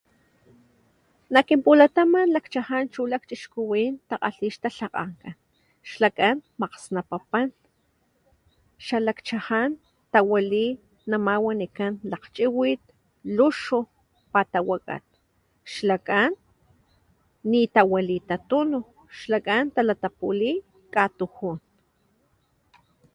Nak kinpulaman lakchajan xu lakchishkuhin takgalhi xtalhakatni xlakan maxnapapan lakchajan tahuali nama huanican lakchihuit luxo patahuaka xlakan ni tahuali tatunu xlakan talatapuli katujun